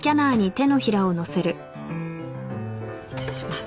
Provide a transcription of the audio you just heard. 失礼します。